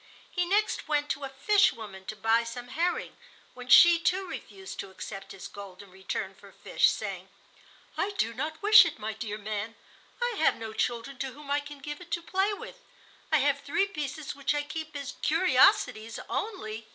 He next went to a fish woman to buy some herring, when she, too, refused to accept his gold in return for fish, saying: "I do not wish it, my dear man; I have no children to whom I can give it to play with. I have three pieces which I keep as curiosities only."